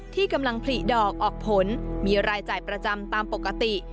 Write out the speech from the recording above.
ที่กำลังผลิดอกออกผลมีรายจ่ายประจำตามปกติ